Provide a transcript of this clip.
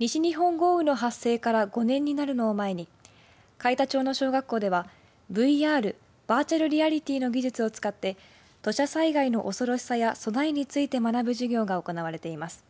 西日本豪雨の発生から５年になるのを前に海田町の小学校ではＶＲ、バーチャルリアリティーの技術を使って土砂災害の恐ろしさや備えについて学ぶ授業が行われています。